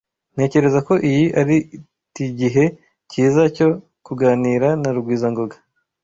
Ntekereza ko iyi ari tigihe cyiza cyo kuganira na Rugwizangoga.